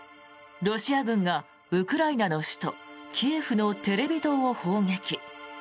ロシア軍がウクライナの首都キエフのテレビ塔を砲撃。